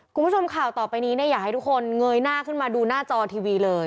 คุณผู้ชมข่าวต่อไปนี้เนี่ยอยากให้ทุกคนเงยหน้าขึ้นมาดูหน้าจอทีวีเลย